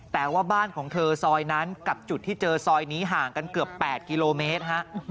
แต่ว่าบ้านของเธอซอยนั้นกับจุดที่เจอซอยนี้ห่างกันเกือบ๘กิโลเมตร